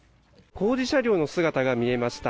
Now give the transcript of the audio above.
工事車両の姿が見えました。